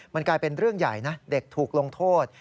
มันกลายเป็นเรื่องใหญ่นะเด็กถูกลงโทษ